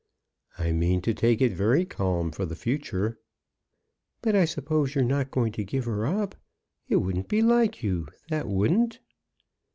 "I mean to take it very calm for the future." "But I suppose you're not going to give her up. It wouldn't be like you, that wouldn't."